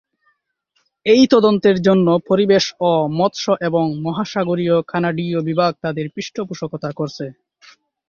এই তদন্তের জন্য পরিবেশ ও মৎস্য এবং মহাসাগরীয় কানাডীয় বিভাগ তাদের পৃষ্ঠপোষকতা করছে।